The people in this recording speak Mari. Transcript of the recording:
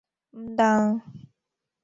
— М-мда!